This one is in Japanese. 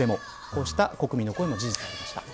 こうした国民の声も事実でした。